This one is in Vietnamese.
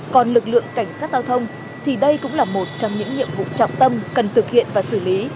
cảnh sát giao thông thì đây cũng là một trong những nhiệm vụ trọng tâm cần thực hiện và xử lý